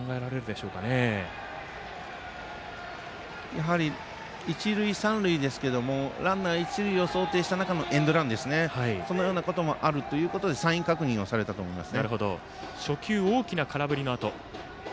やはり一塁三塁ですけどランナー、一塁を想定した中でのエンドランもそのようなこともあるということでサイン確認をされたと思います。